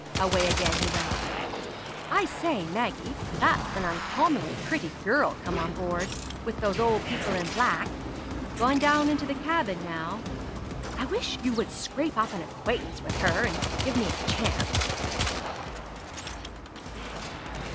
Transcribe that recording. Away again he went. "I say, Maggie, that's an uncommonly pretty girl come on board, with those old people in black. Gone down into the cabin, now; I wish you would scrape up an acquaintance with her, and give me a chance."